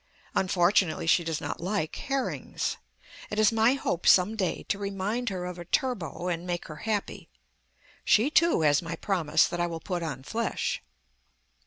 Unfortunately she does not like herrings. It is my hope some day to remind her of a turbot and make her happy. She, too, has my promise that I will put on flesh.